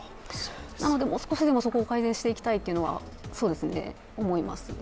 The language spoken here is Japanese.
なのでもう少しでも、そこを改善していきたいというのは思います。